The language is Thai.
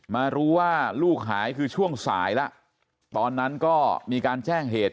มารู้ว่าลูกหายคือช่วงสายแล้วตอนนั้นก็มีการแจ้งเหตุ